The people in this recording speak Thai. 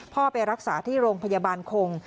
ไปรักษาที่โรงพยาบาลคง